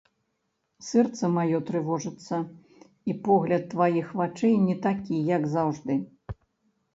Сэрца маё трывожыцца, і погляд тваіх вачэй не такі, як заўжды.